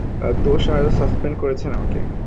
দোষ তার আর সাসপেন্ড করছেন আমাকে?